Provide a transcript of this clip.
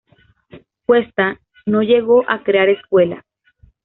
Cuesta no llegó a crear escuela.